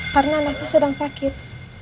karena anaknya sedang sakit